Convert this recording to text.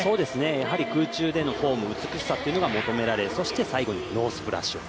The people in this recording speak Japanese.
やはり空中でのフォーム美しさっていうのが求められ、そして最後にノースプラッシュと。